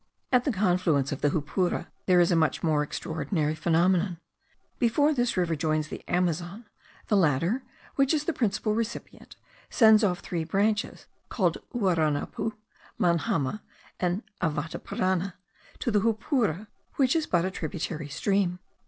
At the confluence of the Jupura there is a much more extraordinary phenomenon. Before this river joins the Amazon, the latter, which is the principal recipient, sends off three branches called Uaranapu, Manhama, and Avateparana, to the Jupura, which is but a tributary stream.